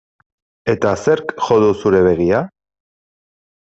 Eta zerk jo du zure begia?